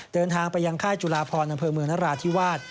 เดินทางไปยังค่ายจุลาพรอำเภอเมืองนราธิวาส